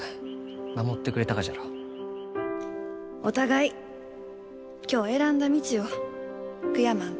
お互い今日選んだ道を悔やまんこと。